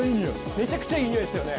めちゃくちゃいい匂いですよね。